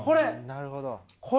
なるほど。